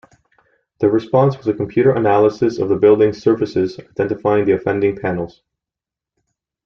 Their response was a computer analysis of the building's surfaces identifying the offending panels.